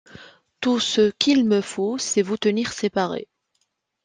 Tout ce qu’il me faut, c’est vous tenir séparés.